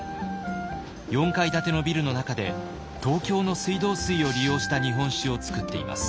４階建てのビルの中で東京の水道水を利用した日本酒を造っています。